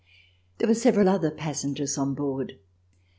There were several other passengers on board.